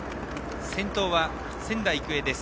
先頭は仙台育英です。